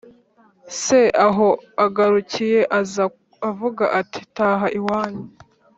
se aho agarukiye aza avuga ati “taha iwanyu